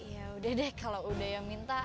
yaudah deh kalau udah yang minta